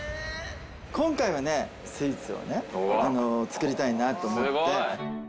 今回はスイーツをね、作りたいなと思って。